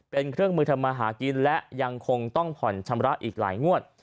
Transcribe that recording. เป็นเครื่องมือทำมาหากินและยังคงต้องผ่อนชำระอีกหลายงวด